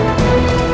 apa sih pak